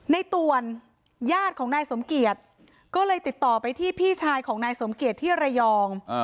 ตวนญาติของนายสมเกียจก็เลยติดต่อไปที่พี่ชายของนายสมเกียจที่ระยอง